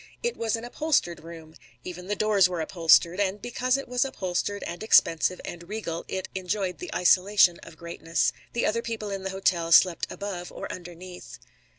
It was an upholstered room. Even the doors were upholstered. And because it was upholstered and expensive and regal, it enjoyed the isolation of greatness. The other people in the hotel slept above or underneath.